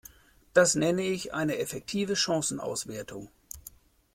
Das nenne ich eine effektive Chancenauswertung!